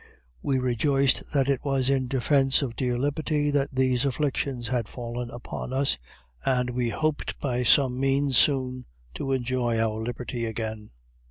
We rejoiced that it was in defence of dear liberty that these afflictions had fallen upon us; and we hoped by some means soon to enjoy our liberty again.